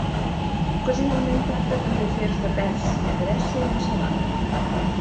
Ocasionalment tracta també afers de Pèrsia, Grècia i Macedònia.